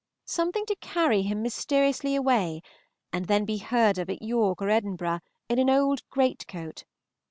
Something to carry him mysteriously away, and then be heard of at York or Edinburgh in an old greatcoat.